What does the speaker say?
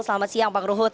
selamat siang pak ruhut